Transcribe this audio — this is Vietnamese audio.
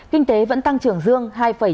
kinh tế vẫn tăng trưởng dương hai chín mươi một